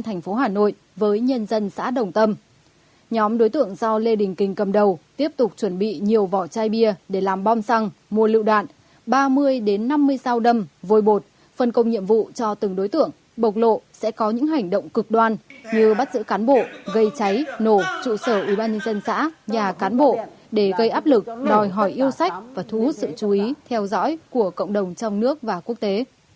trong đối tượng do lê đình kinh cầm đầu tiếp tục chuẩn bị nhiều vỏ chai bia để làm bom xăng mua lựu đạn ba mươi năm mươi sao đâm vôi bột phân công nhiệm vụ cho từng đối tượng bộc lộ sẽ có những hành động cực đoan như bắt giữ cán bộ gây cháy nổ trụ sở ủy ban nhân dân xã nhà cán bộ để gây áp lực đòi hỏi yêu sách và thú sự chú ý theo dõi của cộng đồng trong nước và quốc tế